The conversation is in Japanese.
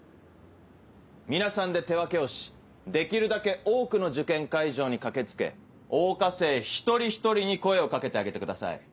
皆さんで手分けをしできるだけ多くの受験会場に駆け付け桜花生一人一人に声を掛けてあげてください。